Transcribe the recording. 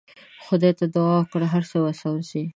خدای ته دعا وکړه هر څه به سم سي.